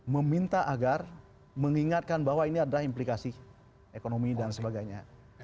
meminta agar mengingatkan bahwa ini adalah implikasi ekonomi dan sebagainya